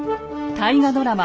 大河ドラマ